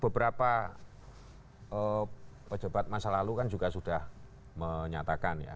beberapa pejabat masa lalu kan juga sudah menyatakan ya